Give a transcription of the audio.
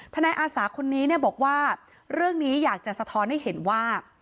นายอาสาคนนี้บอกว่าเรื่องนี้อยากจะสะท้อนให้เห็นว่า